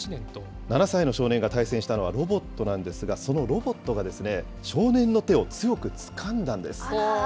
７歳の少年が対戦したのはロボットなんですが、そのロボットが、少年の手を強くつかんだんです。